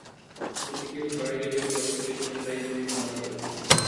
যদি কেউ বাহিরে বের হয়, সে ঠান্ডায় জমে মারা যাবে!